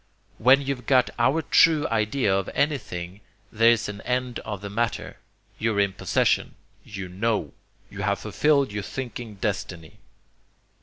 When you've got your true idea of anything, there's an end of the matter. You're in possession; you KNOW; you have fulfilled your thinking destiny.